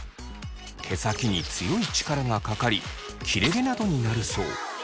毛先に強い力がかかり切れ毛などになるそう。